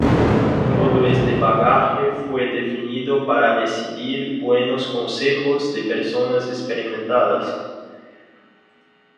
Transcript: Todo este bagaje fue definitivo, para recibir buenos consejos de personas experimentadas.